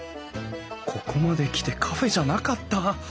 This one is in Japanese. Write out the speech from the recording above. ここまで来てカフェじゃなかった？